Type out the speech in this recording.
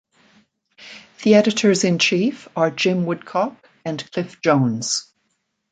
The editors-in-chief are Jim Woodcock and Cliff Jones.